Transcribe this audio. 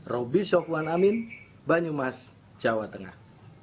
robby soekarno amin banyumas jawa tengah